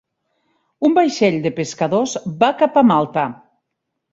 Un vaixell de pescadors va cap a Malta